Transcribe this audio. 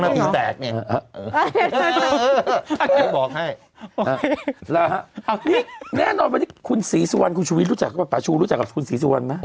เดี๋ยวบอกให้